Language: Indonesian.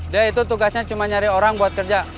dia itu tugasnya cuma nyari orang buat kerja